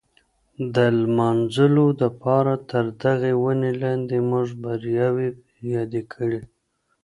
د لمانځلو دپاره تر دغي وني لاندي موږ بریاوې یادې کړې.